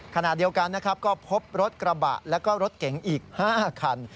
ขณะเดียวกันก็พบรถกระบะและรถเก๋งอีก๕คัน